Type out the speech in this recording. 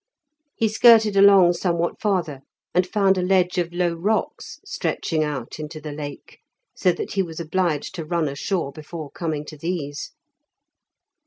He skirted along somewhat farther, and found a ledge of low rocks stretching out into the Lake, so that he was obliged to run ashore before coming to these.